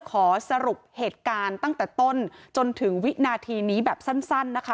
ขอสรุปเหตุการณ์ตั้งแต่ต้นจนถึงวินาทีนี้แบบสั้นนะคะ